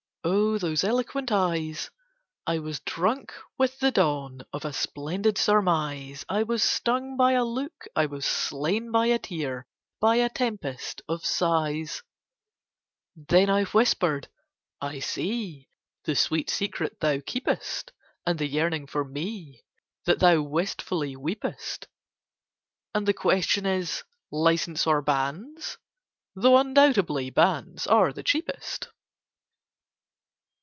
O those eloquent eyes! I was drunk with the dawn Of a splendid surmise— I was stung by a look, I was slain by a tear, by a tempest of sighs. Then I whispered "I see The sweet secret thou keepest. And the yearning for ME That thou wistfully weepest! And the question is 'License or Banns?', though undoubtedly Banns are the cheapest."